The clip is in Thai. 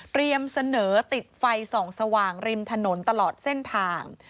เสนอติดไฟส่องสว่างริมถนนตลอดเส้นทาง